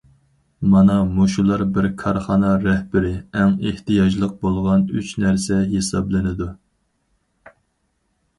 مانا مۇشۇلار بىر كارخانا رەھبىرى ئەڭ ئېھتىياجلىق بولغان ئۈچ نەرسە ھېسابلىنىدۇ.